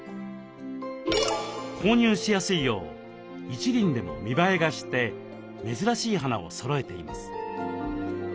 購入しやすいよう一輪でも見栄えがして珍しい花をそろえています。